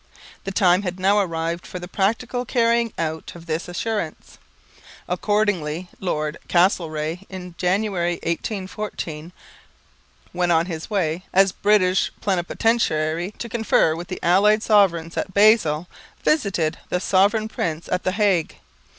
The time had now arrived for the practical carrying out of this assurance. Accordingly Lord Castlereagh in January, 1814, when on his way, as British plenipotentiary, to confer with the Allied Sovereigns at Basel, visited the Sovereign Prince at the Hague.